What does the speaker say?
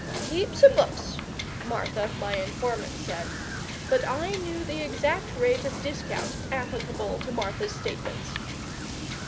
"Heaps o' books," Martha, my informant, said; but I knew the exact rate of discount applicable to Martha's statements.